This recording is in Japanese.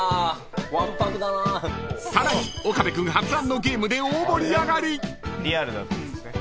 ［さらに岡部君発案のゲームで大盛り上がり！］